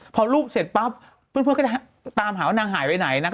พอรูปเสร็จปั๊บพวกมันตามหาว่านางอาจไปหายไหนนะ